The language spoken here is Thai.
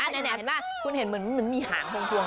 นี่เห็นไหมคุณเห็นเหมือนมีหางพวง